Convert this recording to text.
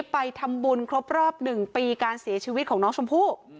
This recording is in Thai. ไปทำบุญครบรอบ๑ปีการเสียชีวิตของน้องชมพู่